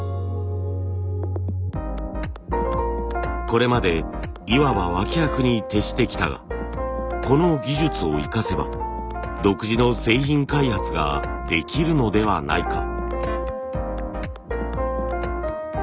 これまでいわば脇役に徹してきたがこの技術を生かせば独自の製品開発ができるのではないか。